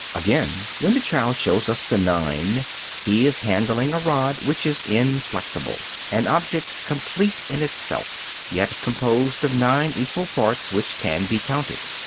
Again, when the child shows us the 9, he is handling a rod which is inflexible an object complete in itself, yet composed of nine equal parts which can be counted.